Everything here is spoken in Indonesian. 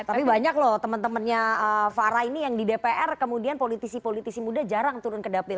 tapi banyak loh teman temannya farah ini yang di dpr kemudian politisi politisi muda jarang turun ke dapil